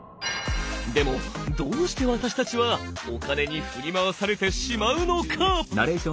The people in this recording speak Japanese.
でもどうして私たちはお金に振り回されてしまうのか！？